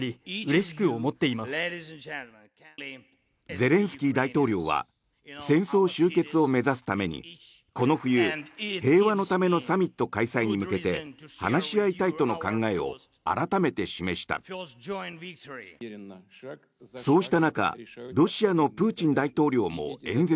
ゼレンスキー大統領は戦争終結を目指すためにこの冬、平和のためのサミットの開催に向けて話し合いたいとの考えを改めて示した。